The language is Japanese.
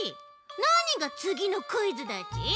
なにが「つぎのクイズ」だち。